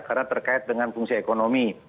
karena terkait dengan fungsi ekonomi